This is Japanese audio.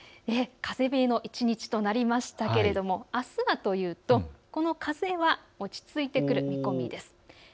風冷えの一日となりましたけれども、あすはというとこの風は落ち着いてくる見込みです。